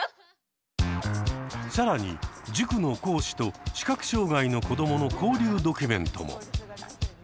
更に塾の講師と視覚障害の子どもの交流ドキュメントも。